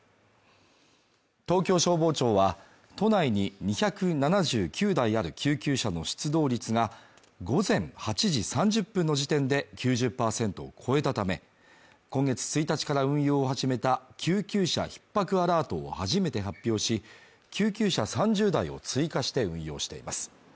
東京消防庁は、都内に２７９台ある救急車の出動率が午前８時３０分の時点で９０％を超えたため、今月１日から運用を始めた救急車ひっ迫アラートを初めて発表し、救急車３０台を追加して運用しています。